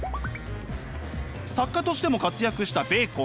作家としても活躍したベーコン。